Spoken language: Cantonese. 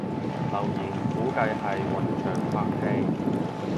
留言估計係雲翔拍戲